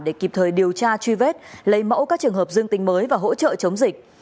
để kịp thời điều tra truy vết lấy mẫu các trường hợp dương tính mới và hỗ trợ chống dịch